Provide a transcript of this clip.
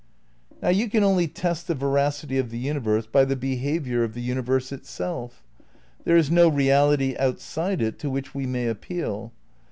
Now you can only test the veracity of the universe by the behaviour of the universe itself. There is no reality outside it to which we may appeal.